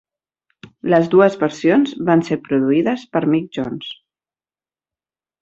Les dues versions van ser produïdes per Mick Jones.